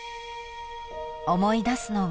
［思い出すのは］